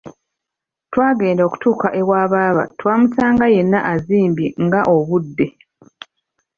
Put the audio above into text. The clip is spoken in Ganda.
Twagenda okutuuka ewa baaba twamusanga yenna azimbye nga obudde.